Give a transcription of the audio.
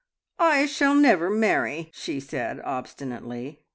"I shall never marry!" she said obstinately.